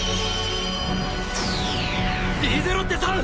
リーゼロッテさん！